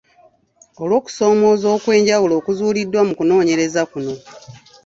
Olw’okusomooza okw’enjawulo okuzuuliddwa mu kunoonyereza kuno.